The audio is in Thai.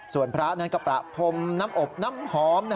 ส่วนพระนั้นก็ประพรมน้ำอบน้ำหอม